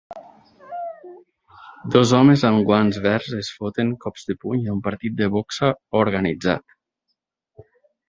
Dos homes amb guants verds es foten cops de puny en un partit de boxa organitzat.